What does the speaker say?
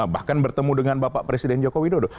bahkan bertemu dengan bapak presiden joko widodo